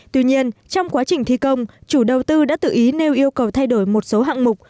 tuy nhiên trong quá trình thi công chủ đầu tư đã tự ý nêu yêu cầu thay đổi một số hạng mục